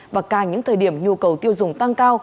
và càng những thời điểm nhu cầu tiêu dùng tăng cao